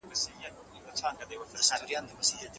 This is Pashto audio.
کارنامو سره یادېږي